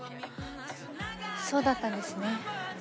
そうだったんですね。